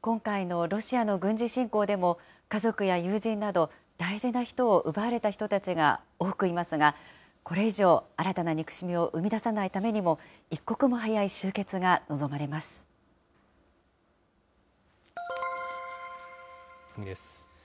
今回のロシアの軍事侵攻でも、家族や友人など、大事な人を奪われた人たちが多くいますが、これ以上、新たな憎しみを生みださないためにも、一刻も早い終結が望まれま次です。